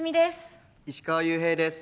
石川裕平です。